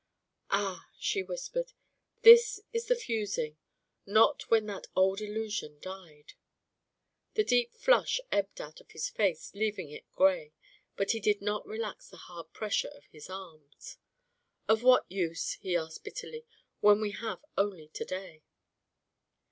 "Ah!" she whispered. "This is the fusing, not when that old illusion died." The deep flush ebbed out of his face, leaving it grey, but he did not relax the hard pressure of his arms. "Of what use," he asked bitterly, "when we have only to day?"